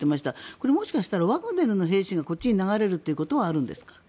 これ、もしかしたらワグネルの兵士がこっちに流れることはあるんですか。